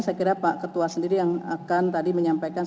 saya kira pak ketua sendiri yang akan tadi menyampaikan